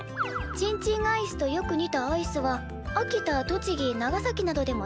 「チンチンアイスとよく似たアイスは秋田栃木長崎などでも食べられています」